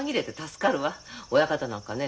親方なんかね